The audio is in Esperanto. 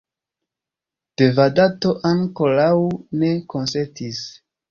Devadato ankoraŭ ne konsentis.